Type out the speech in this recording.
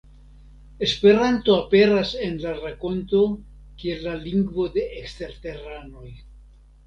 Esperanto aperas en la rakonto kiel la lingvo de eksterteranoj.